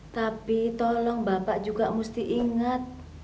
tapi tolong bapak juga mesti ingat